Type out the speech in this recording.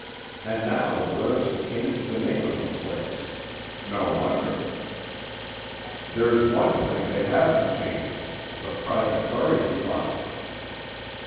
"And now the Blairs have changed the name of the place. No wonder." "There's one thing they haven't changed, the private buryin' plot."